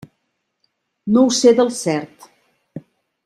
No ho sé del cert.